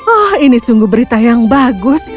oh ini sungguh berita yang bagus